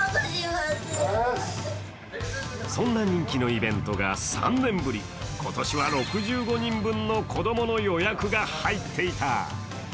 そんな人気のイベントが３年ぶり今年は６５人分の子供の予約が入っていた。